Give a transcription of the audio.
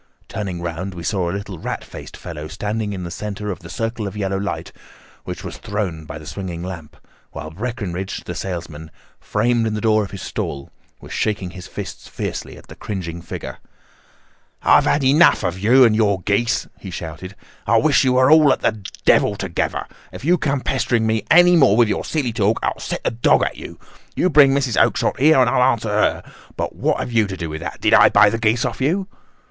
Turning round we saw a little rat faced fellow standing in the centre of the circle of yellow light which was thrown by the swinging lamp, while Breckinridge, the salesman, framed in the door of his stall, was shaking his fists fiercely at the cringing figure. "I've had enough of you and your geese," he shouted. "I wish you were all at the devil together. If you come pestering me any more with your silly talk I'll set the dog at you. You bring Mrs. Oakshott here and I'll answer her, but what have you to do with it? Did I buy the geese off you?"